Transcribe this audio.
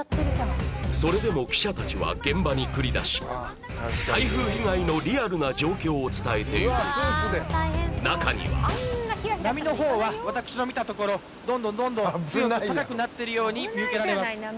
それでも記者たちは現場に繰り出し台風被害のリアルな状況を伝えていく中には波のほうは私の見たところどんどんどんどん強く高くなってるように見受けられます